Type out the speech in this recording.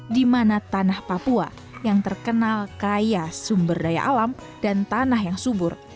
di mana tanah papua yang terkenal kaya sumber daya alam dan tanah yang subur